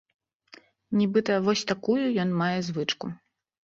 Нібыта, вось такую ён мае звычку!